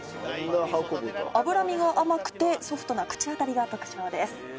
脂身が甘くてソフトな口当たりが特徴です。